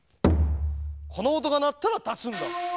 このおとがなったらたつんだ。